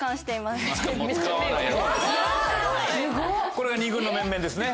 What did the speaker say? これが２軍の面々ですね。